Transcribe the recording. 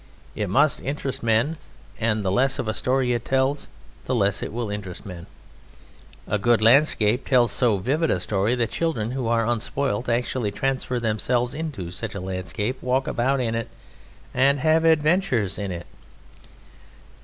It must interest men, and the less of a story it tells the less it will interest men. A good landscape tells so vivid a story that children (who are unspoilt) actually transfer themselves into such a landscape, walk about in it, and have adventures in it.